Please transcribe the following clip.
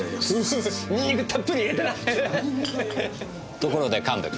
ところで神戸君。